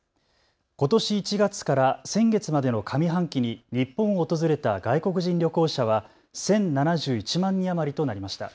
ことし１月から先月までの上半期に日本を訪れた外国人旅行者は１０７１万人余りとなりました。